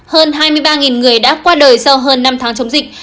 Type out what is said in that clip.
hơn hai mươi ba người đã qua đời sau hơn năm tháng chống dịch